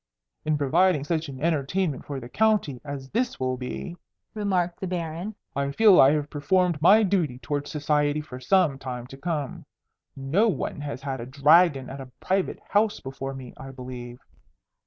"In providing such an entertainment for the county as this will be," remarked the Baron, "I feel I have performed my duty towards society for some time to come. No one has had a dragon at a private house before me, I believe."